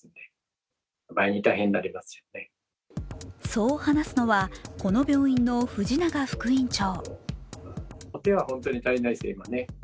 そう話すのはこの病院の藤永副院長。